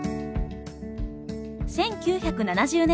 １９７０年